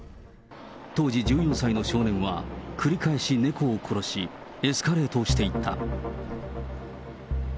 当時１４歳の少年は繰り返し、猫を殺し、エスカレートしていった。